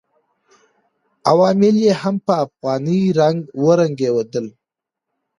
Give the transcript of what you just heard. عوامل یې هم په افغاني رنګ ورنګېدل.